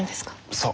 そう。